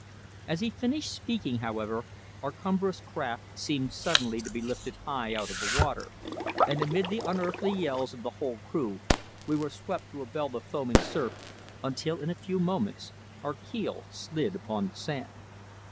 As he finished speaking, however, our cumbrous craft seemed suddenly to be lifted high out of the water, and amid the unearthly yells of the whole crew we were swept through a belt of foaming surf, until in a few moments our keel slid upon the sand.